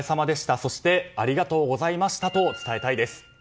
そしてありがとうございましたと伝えたいです。